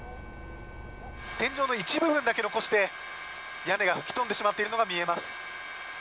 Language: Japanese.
天井の一部分だけ残して屋根が吹き飛んでしまっているのが見えます。